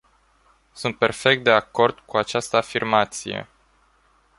Sunt perfect de acord cu această afirmație.